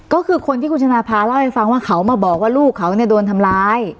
ก็คือคนที่คุณชนะภาเล่าให้ฟังว่าเขามาบอกว่าลูกเขาเนี่ยโดนทำร้าย